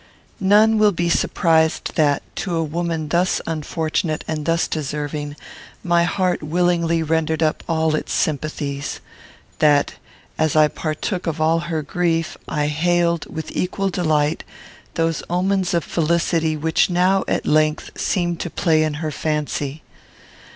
None will be surprised that, to a woman thus unfortunate and thus deserving, my heart willingly rendered up all its sympathies; that, as I partook of all her grief, I hailed, with equal delight, those omens of felicity which now, at length, seemed to play in her fancy.